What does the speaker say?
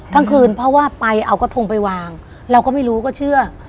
ทั้งคืนเพราะว่าไปเอากระทงไปวางเราก็ไม่รู้ก็เชื่อ